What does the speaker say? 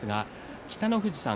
北の富士さん